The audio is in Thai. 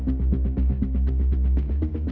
มันมีร่างกล่องอยู่นะ